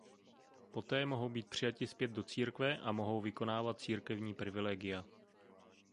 Poté mohou být přijati zpět do církve a mohou vykonávat církevní privilegia.